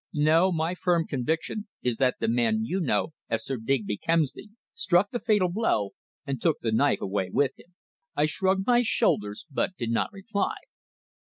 "No, my firm conviction is that the man you know as Sir Digby Kemsley struck the fatal blow, and took the knife away with him." I shrugged my shoulders, but did not reply.